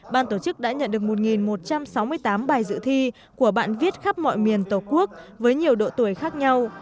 ban tổ chức đã nhận được một một trăm sáu mươi tám bài dự thi của bạn viết khắp mọi miền tổ quốc với nhiều độ tuổi khác nhau